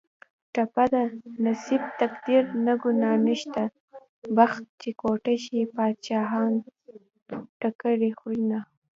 ټپه ده: نصیب تقدیر نه ګناه نشته بخت چې کوټه شي بادشاهان ټکرې خورینه